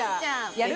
やる？